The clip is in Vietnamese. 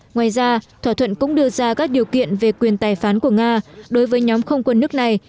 ngoài ra thỏa thuận cũng đưa ra các điều kiện về quyền tài phán của nga đối với nhóm không quân nước này